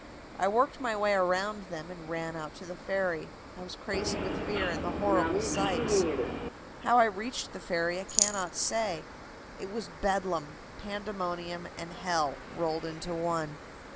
I worked my way around them and ran out to the ferry. I was crazy with fear and the horrible sights. "How I reached the ferry I cannot say. It was bedlam, pandemonium and hell rolled into one.